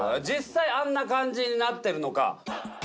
実際あんな感じになってるのか。